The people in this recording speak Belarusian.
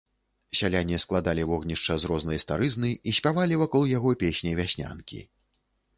Сяляне складалі вогнішча з рознай старызны і спявалі вакол яго песні-вяснянкі.